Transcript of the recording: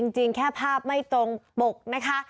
จริงแค่ภาพไม่ตรงปกนะคะ